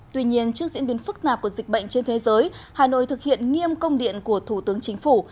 tuy nhiên trước diễn biến phức nạp của dịch bệnh trên thế giới hà nội thực hiện nghiêm công điện của thủ tướng chính phủ